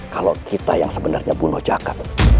kalau kita yang sebenarnya pulau jaka